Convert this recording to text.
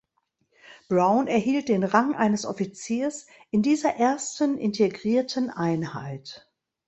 Brown erhielt den Rang eines Offiziers in dieser ersten integrierten Einheit.